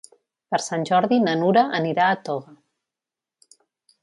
Per Sant Jordi na Nura anirà a Toga.